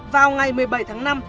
vào ngày một mươi bảy tháng năm